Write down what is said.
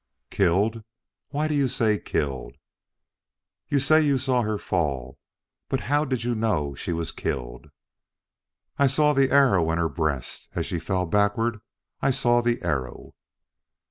"Killed? Why do you say killed? You say you saw her fall, but how did you know she was killed?" "I saw the arrow in her breast. As she fell backward, I saw the arrow."